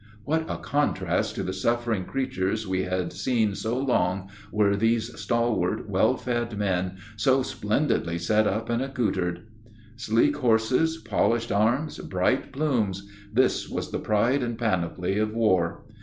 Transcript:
What a contrast to the suffering creatures we had seen so long were these stalwart, well fed men, so splendidly set up and accoutred! Sleek horses, polished arms, bright plumes, this was the pride and panoply of war!